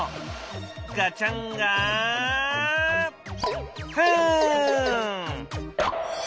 ガチャンガフン！